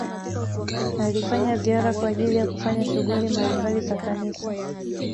alifanya ziara kwa ajili ya kufanya shughuli mbalimbali za kanisa